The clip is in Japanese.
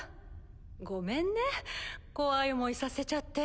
ごめんね怖い思いさせちゃって。